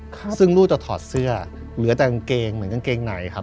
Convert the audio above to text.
ซึ่งลูกจะถอดเสื้อเหลือแต่กางเกงเหมือนกางเกงไหนครับ